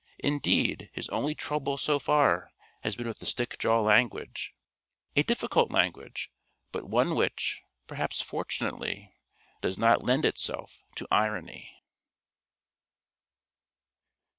Indeed his only trouble so far has been with the Stickjaw language a difficult language, but one which, perhaps fortunately, does not lend itself to irony.